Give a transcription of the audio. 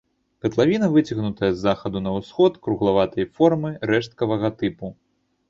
Катлавіна выцягнутая з захаду на ўсход, круглаватай формы, рэшткавага тыпу.